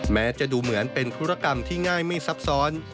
แม้จะดูเหมือนเป็นธุรกรรมที่ง่ายไม่ซับซ้อน